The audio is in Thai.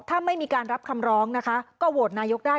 ถ้าไม่มีการรับคำร้องนะคะก็โหวตนายกได้